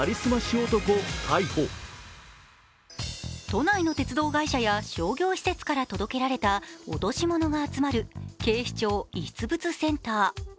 都内の鉄道会社や商業施設から届けられた落とし物が集まる警視庁遺失物センター。